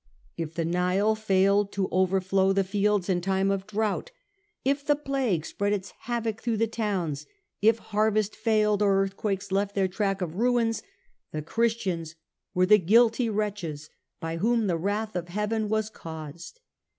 If the Nile failed to overflow the fields in time of drought ; if the plague spread its havoc through the towns ; if harvest failed or earthquakes left their track of ruins ; the Christians were the guilty wretches by whom the wrath of heaven was caused.